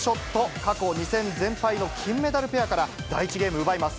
過去２戦全敗の金メダルペアから第１ゲーム奪います。